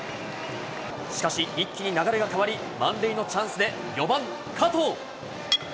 しかし、一気に流れが変わり、満塁のチャンスで４番加藤。